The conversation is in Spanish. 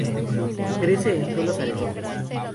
Crece en suelos arenosos.